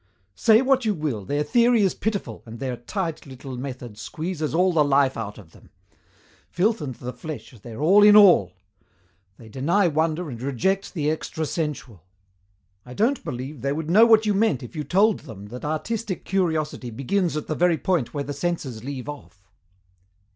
"Say what you will, their theory is pitiful, and their tight little method squeezes all the life out of them. Filth and the flesh are their all in all. They deny wonder and reject the extra sensual. I don't believe they would know what you meant if you told them that artistic curiosity begins at the very point where the senses leave off.